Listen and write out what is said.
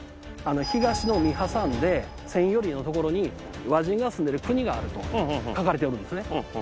東の海挟んで倭人が住んでる国があると書かれておるんですね。